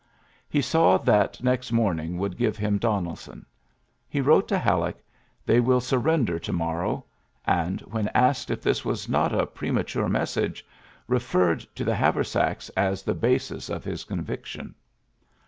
He saw that next morning would give him Donelson. He wrote to Hal leck, ^^They will surrender to morrow," and, when asked if this was not a pre mature message, referred to the haver sacks as the basis of his conviction.